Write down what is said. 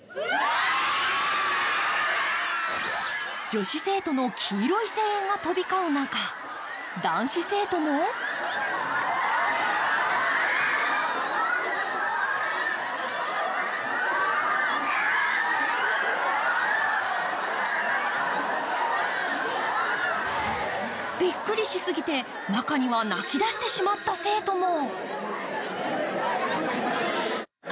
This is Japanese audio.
女子生徒の黄色い声援が飛び交う中、男子生徒もびっくりしすぎて、中には泣きだしてしまった生徒も。